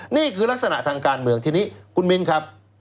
นี่คือลักษณะทางการเมืองทีนี้คุณมิ้นครับ